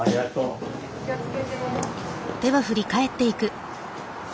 お気をつけて。